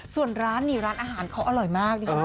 ส่วนร้านอาหารเขาอร่อยมากดีครับ